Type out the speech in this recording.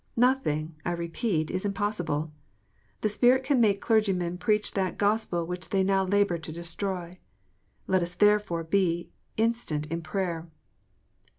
Nothing, I repeat, is impossible. The Spirit can make clergymen preach that Gospel which they now labour to destroy. Let us therefore be instant in prayer.